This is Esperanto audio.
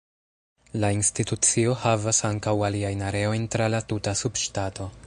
La institucio havas ankaŭ aliajn areojn tra la tuta subŝtato.